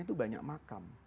itu banyak makam